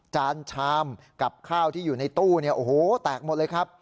จานชามกับข้าวที่อยู่ในตู้เนี่ยโอ้โหแตกหมดเลยครับ